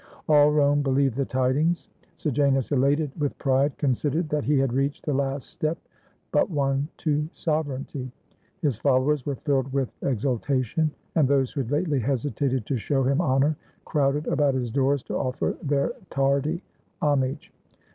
All Rome believed the tidings. Sejanus, elated with pride, considered that he had reached the last step but one to sovereignty. His followers were filled with exul tation, and those who had lately hesitated to show him honor crowded about his doors to offer their tardy homage.